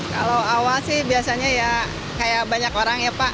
kalau awal sih biasanya ya kayak banyak orang ya pak